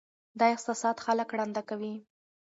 دا احساسات خلک ړانده کوي.